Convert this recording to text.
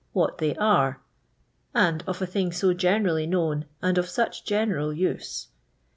What they are; and of a thing so generally known, and of such general use.